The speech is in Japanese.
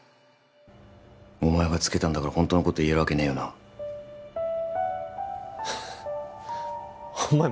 お前がつけたんだからホントのこと言えるわけねえよなお前